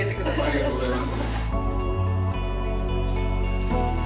ありがとうございます。